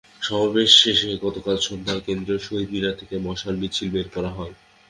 সমাবেশ শেষে গতকাল সন্ধ্যায় কেন্দ্রীয় শহীদ মিনার থেকে মশাল মিছিল বের করা হয়।